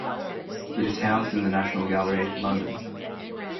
It is housed in the National Gallery, London.